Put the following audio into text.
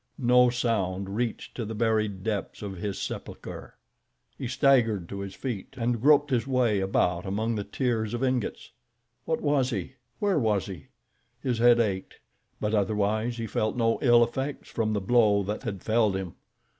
No sound reached to the buried depths of his sepulcher. He staggered to his feet, and groped his way about among the tiers of ingots. What was he? Where was he? His head ached; but otherwise he felt no ill effects from the blow that had felled him.